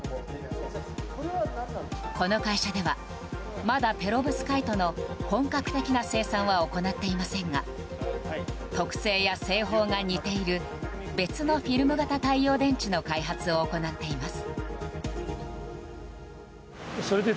この会社ではまだペロブスカイトの本格的な生産は行っていませんが特性や製法が似ている別のフィルム型太陽電池の開発を行っています。